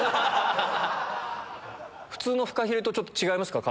普通のフカヒレと違いますか？